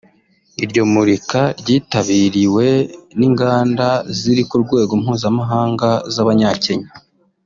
Iryo murika ryitabiriwe n’inganda ziri ku rwego mpuzamahanga z’abanyakenya